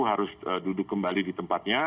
harus duduk kembali di tempatnya